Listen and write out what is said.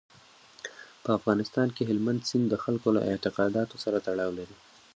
په افغانستان کې هلمند سیند د خلکو له اعتقاداتو سره تړاو لري.